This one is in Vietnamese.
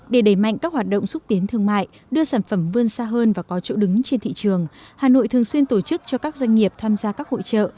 để đẩy mạnh các hoạt động xúc tiến thương mại đưa sản phẩm vươn xa hơn và có chỗ đứng trên thị trường hà nội thường xuyên tổ chức cho các doanh nghiệp tham gia các hội trợ